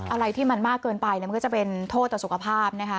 อะไรที่มันมากเกินไปมันก็จะเป็นโทษต่อสุขภาพนะคะ